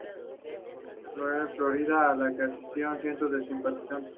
Lauderdale, Florida, a la que asistieron cientos de simpatizantes.